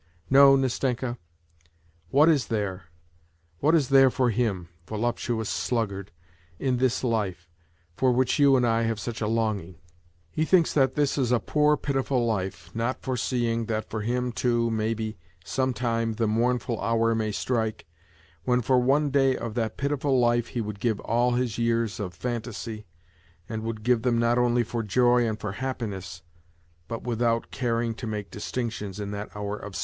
... No, Nastenka, what is there, what is there for him, voluptuous sluggard, in this life, for whieh you and I have such a longing? He thinks that this is a jxx.r pitiful lite, not foreseeing that for him tou, maybe, sometime tin mournful hour may strike, when for one day of that pitiful life lie \\ould ^ive all his years of phantasy, and \\oujclgi\r them iiut only for joy ami for happiness, hut uith ' make distinctions in that hour of